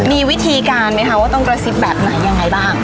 มีวิธีการไหมคะว่าต้องกระซิบแบบไหนยังไงบ้าง